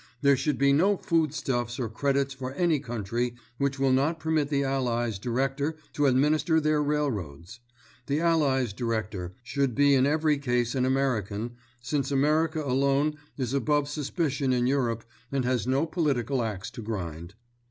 There should be no food stuffs or credits for any country which will not permit the Allies' Director to administer their railroads. The Allies' Director should be in every case an American, since America alone is above suspicion in Europe and has no political axe to grind.